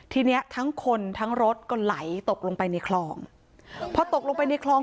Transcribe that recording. ทีเนี้ยทั้งคนทั้งรถก็ไหลตกลงไปในคลองพอตกลงไปในคลอง